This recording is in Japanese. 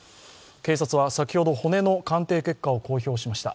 警察は先ほど、骨の鑑定結果を公表しました。